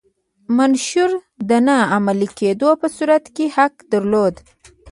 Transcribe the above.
منشور د نه عملي کېدو په صورت کې حق درلود.